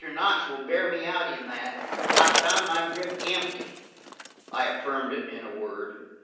Knox will bear me out in that. I found my grip empty." I affirmed it in a word.